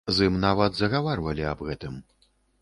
З ім нават загаварвалі аб гэтым.